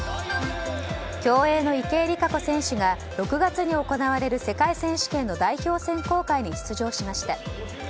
競泳の池江璃花子選手が６月に行われる世界選手権の代表選考会に出場しました。